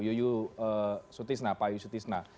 yuyusutisna pak yusutisna